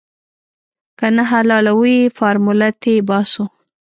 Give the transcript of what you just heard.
که نه حلالوو يې فارموله تې باسو.